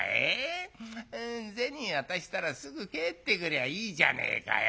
銭渡したらすぐ帰ってくりゃいいじゃねえかよ。